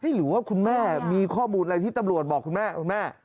หรือว่าคุณแม่มีข้อมูลอะไรที่ตำรวจบอกคุณแม่คุณแม่